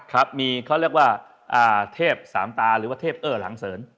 ครับมีเขาเรียกว่าเทพสามตาหรือว่าเทพเอ้อหลังเสริญ